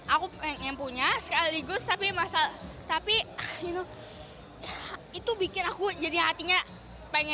aku pengen punya sekaligus tapi masa tapi itu itu bikin aku jadi hatinya pengen